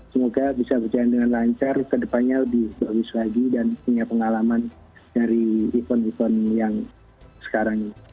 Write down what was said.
semoga bisa berjalan dengan lancar kedepannya lebih bagus lagi dan punya pengalaman dari event event yang sekarang ini